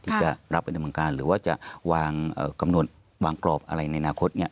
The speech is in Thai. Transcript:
ที่จะรับไปดำเนินการหรือว่าจะวางกำหนดวางกรอบอะไรในอนาคต